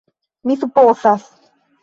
Mi supozas...